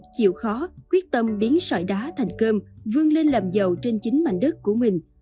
chịu khó quyết tâm biến sỏi đá thành cơm vương lên làm dầu trên chính mạnh đất của mình